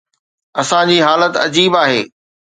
اسان جي حالت عجيب آهي.